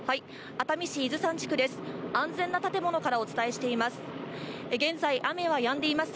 熱海市伊豆山地区です。